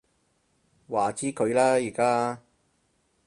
話之佢啦而家